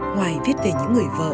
ngoài viết về những người vợ